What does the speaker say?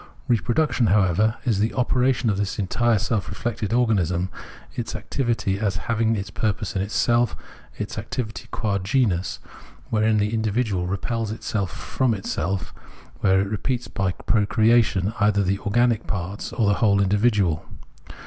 Reproduction, however, is the operation of this entire self reflected organism, its activity as having its purpose in itself, its activity qua genus, wherein the individual repels itself from itself, where it repeats by procreation either the organic parts or the whole individual.